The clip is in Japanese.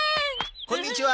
こんにちは。